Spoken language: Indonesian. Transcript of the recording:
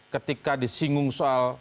ketika disinggung soal memperbaikannya